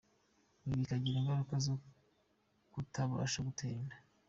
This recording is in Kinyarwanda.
Ibi bikagira ingaruka zo kutabasha gutera inda.